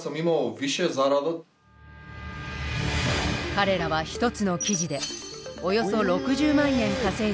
彼らは１つの記事でおよそ６０万円稼いだこともあった。